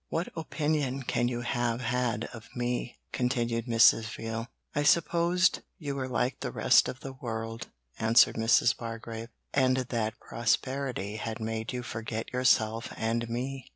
'What opinion can you have had of me?' continued Mrs. Veal. 'I supposed you were like the rest of the world,' answered Mrs. Bargrave, 'and that prosperity had made you forget yourself and me.'